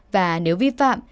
và nếu vi phạm